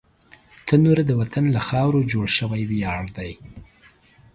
تنور د وطن له خاورو جوړ شوی ویاړ دی